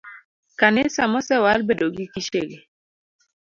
Kanisa mosewal bedo gi kichegi